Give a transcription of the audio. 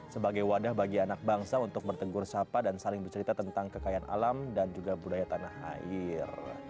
sebagai wadah bagi anak bangsa untuk bertegur sapa dan saling bercerita tentang kekayaan alam dan juga budaya tanah air